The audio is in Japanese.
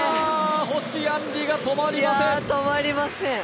星杏璃が止まりません。